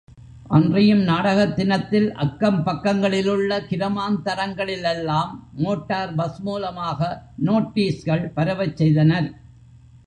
அன்றியும் நாடகத் தினத்தில் அக்கம் பக்கங்களிலுள்ள கிராமாந்தரங்களிலெல்லாம், மோட்டார் பஸ் மூலமாக நோட்டீஸ்கள் பரவச் செய்தனர்.